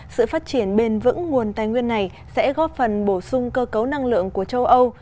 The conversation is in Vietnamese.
sự phát triển bền vững nguồn tài nguyên này sẽ góp phần bổ sung cơ cấu năng lượng của châu âu